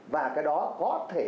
và cái đó có thể